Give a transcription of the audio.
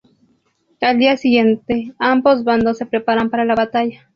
Al día siguiente, ambos bandos se preparan para la batalla.